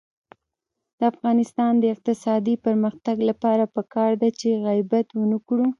د افغانستان د اقتصادي پرمختګ لپاره پکار ده چې غیبت ونکړو.